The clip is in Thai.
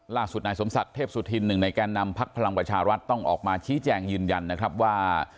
ล่าสุดนายสมศักดิ์เทพสุธินหนึ่งในแก่นำพักพลังประชารัฐต้องออกมาชี้แจงยืนยันนะครับว่า